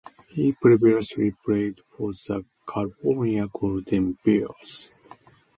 He previously played for the California Golden Bears.